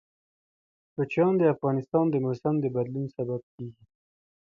کوچیان د افغانستان د موسم د بدلون سبب کېږي.